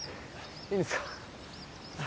いいんですか？